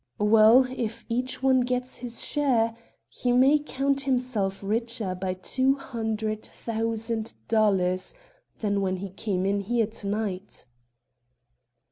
"Well, if each one gets his share, he may count himself richer by two hundred thousand dollars than when he came in here to night."